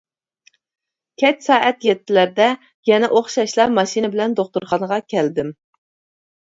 كەچ سائەت يەتتىلەردە يەنە ئوخشاشلا ماشىنا بىلەن دوختۇرخانىغا كەلدىم.